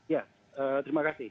ya terima kasih